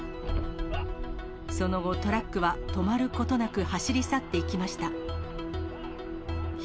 その後、トラックは止まることなく、走り去っていきました。